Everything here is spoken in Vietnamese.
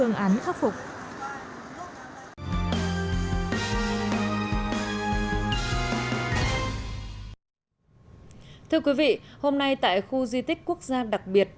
giải quyết công việc